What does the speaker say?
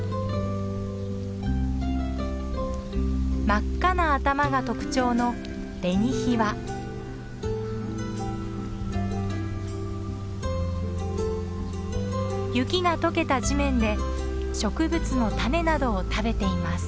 真っ赤な頭が特徴の雪が解けた地面で植物の種などを食べています。